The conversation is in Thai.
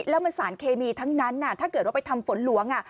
แล้วมันสารเคมีทั้งนั้นถ้าเกิดว่าไปทำฝนหลวง